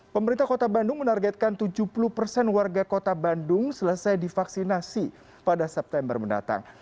pemerintah kota bandung menargetkan tujuh puluh persen warga kota bandung selesai divaksinasi pada september mendatang